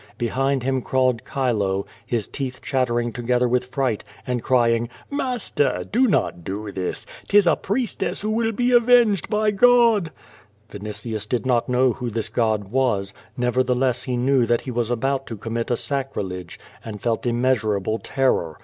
Behind him crawled Chilo, his teeth chattering together with fright, and crying, "Master, do not do this. 'Tis a priestess who will be avenged by God." Vini tius did not know who this God was, nevertheless he knew that he was about to commit a sacrilege, and felt immeasura ble terror.